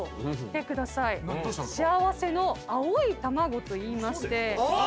幸せの青いたまごといいまして。